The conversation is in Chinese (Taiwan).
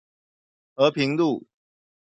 和平路